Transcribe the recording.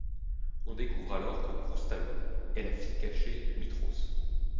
On découvre alors que Kroustallo est la fille cachée de Mitros.